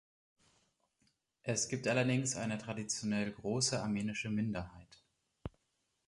Es gibt allerdings eine traditionell große armenische Minderheit.